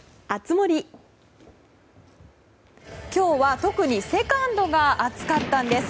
今日は特にセカンドが熱かったんです。